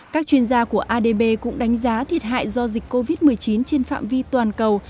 các chuyên gia của adb cũng đánh giá thiệt hại do dịch covid một mươi chín trên phạm vi toàn cầu